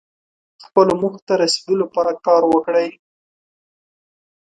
خپلو موخو ته رسیدو لپاره کار وکړئ.